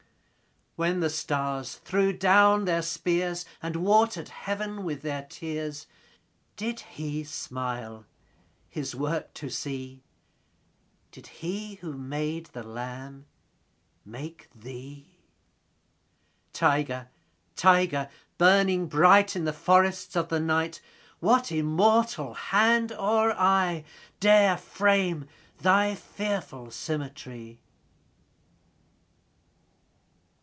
When the stars threw down their spears, And water'd heaven with their tears, Did He smile His work to see? Did He who made the lamb make thee? 20 Tiger, tiger, burning bright In the forests of the night, What immortal hand or eye Dare frame thy fearful symmetry?